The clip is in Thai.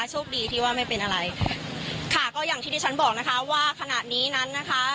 โชคดีที่ว่าไม่เป็นอะไรค่ะก็อย่างที่ที่ฉันบอกนะคะว่าขณะนี้นั้นนะคะ